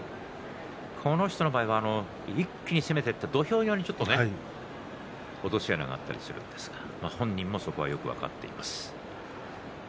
この人の場合は一気に攻めていって土俵際でちょっと落とし穴があったりするんですが本人もそこはよく分かっています。